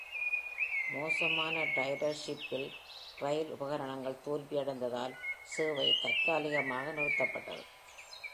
மோசமான ரைடர்ஷிப்பில் ரயில் உபகரணங்கள் தோல்வியடைந்ததால் சேவை "தற்காலிகமாக" நிறுத்தப்பட்டது.